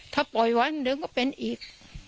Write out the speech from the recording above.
ถ้าปล่อยวันหนึ่งก็เป็นอีก